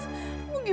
mau gimana sih